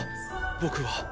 僕は。